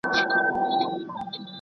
ځان دې زما په ديدن موړ کړه